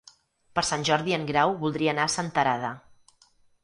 Per Sant Jordi en Grau voldria anar a Senterada.